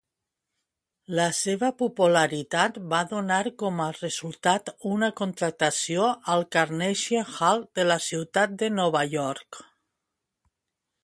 La seva popularitat va donar com a resultat una contractació al Carnegie Hall de la ciutat de Nova York.